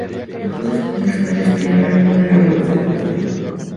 Usó sus poderes solares para llevar a cabo la revolución cultural.